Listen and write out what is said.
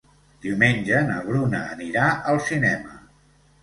Diumenge na Bruna anirà al cinema.